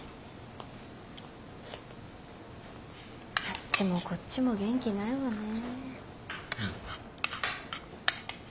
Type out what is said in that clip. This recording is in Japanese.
あっちもこっちも元気ないわね。